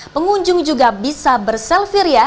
pengunjung juga bisa berselfie ria